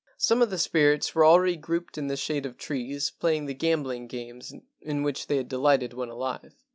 Some of the spirits were already grouped in the shade of trees, playing the gambling games in which they had delighted when alive.